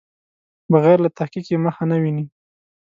بغیر له تحقیق یې مخه نه ویني.